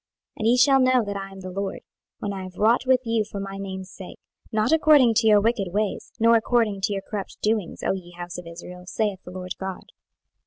26:020:044 And ye shall know that I am the LORD when I have wrought with you for my name's sake, not according to your wicked ways, nor according to your corrupt doings, O ye house of Israel, saith the Lord GOD.